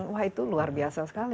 wah itu luar biasa sekali